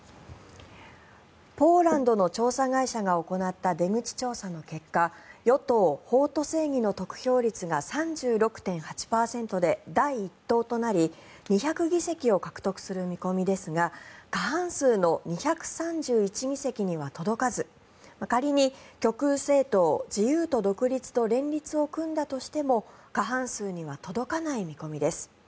ポーランドの調査会社が行った出口調査の結果与党・法と正義の得票率が３６．８％で第１党となり、２００議席を獲得する見込みですが過半数の２３１議席には届かず仮に極右政党・自由と独立と連立を組んだとしても過半数には届かない見込みです。